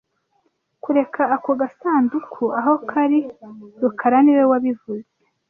Kureka ako gasanduku aho kari rukara niwe wabivuze (